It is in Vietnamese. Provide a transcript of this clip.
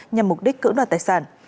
nhằm mục đích cử đoàn tài sản